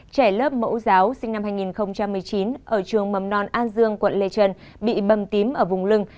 trẻ lớp mẫu giáo sinh năm hai nghìn một mươi chín ở trường mầm non an dương quận lê trân bị bầm tím ở vùng lưng